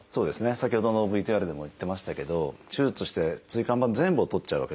先ほどのＶＴＲでも言ってましたけど手術して椎間板全部を取っちゃうわけじゃないわけですね。